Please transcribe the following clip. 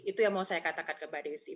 itu yang mau saya katakan ke mbak desi